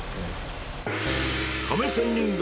亀仙人街。